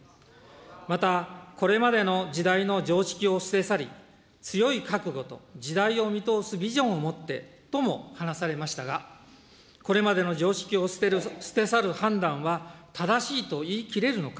また、これまでの時代の常識を捨て去り、強い覚悟と時代を見通すビジョンを持ってとも話されましたが、これまでの常識を捨て去る判断は、正しいと言い切れるのか。